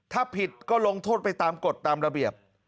ถ้าผิดก็ลงโทษไปตามกฎตามระเบียบ